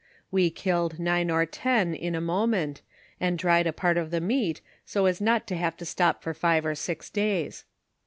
We killed nine or ten in a mo ment, and dried a part of the meat so as not to have to stop for five or six days.